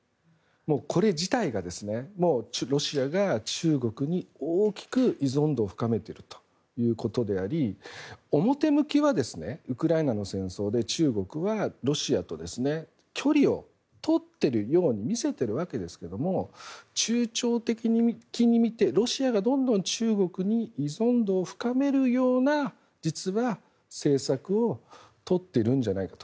これ自体がロシアが中国に大きく依存度を深めているということであり表向きは、ウクライナの戦争で中国はロシアと距離をとっているように見せているわけですけれども中長期的に見てロシアがどんどん中国に依存度を深めるような政策をとっているんじゃないかと。